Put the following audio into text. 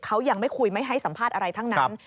เขายังไม่คุยไม่ให้สัมภาษณ์อะไรทั้งนั้น